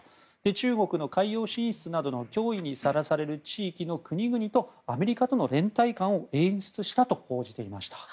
中国の海洋進出などの脅威にさらされる地域の国々とアメリカとの連帯感を演出したと報じていました。